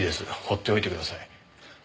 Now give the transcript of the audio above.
放っておいてください。